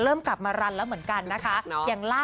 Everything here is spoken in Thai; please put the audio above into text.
กลับมารันแล้วเหมือนกันนะคะ